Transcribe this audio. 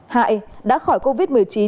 hai đã khỏi covid một mươi chín